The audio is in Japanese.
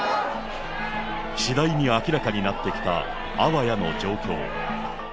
次第に明らかになってきた、あわやの状況。